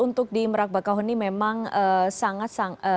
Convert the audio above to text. untuk di merak batauni memang sangat